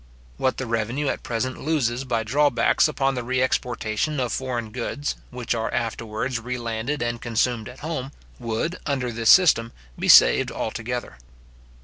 What the revenue at present loses by drawbacks upon the re exportation of foreign goods, which are afterwards re landed and consumed at home, would, under this system, be saved altogether.